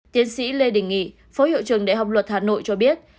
tiến sĩ lê đình nghị phó hiệu trường đại học luật hà nội cho biết